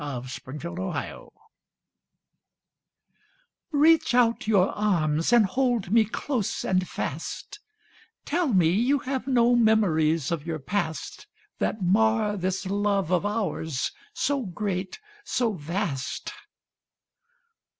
HUSBAND AND WIFE Reach out your arms, and hold me close and fast, Tell me you have no memories of your past That mar this love of ours, so great, so vast.